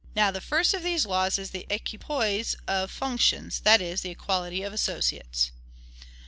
Now, the first of these laws is the equipoise of functions; that is, the equality of associates.